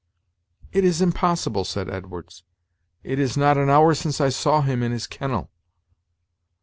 "It is impossible," said Edwards; "it is not an hour since I saw him in his kennel."